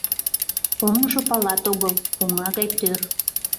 Оҥжо палат огыл — оҥа гай тӧр.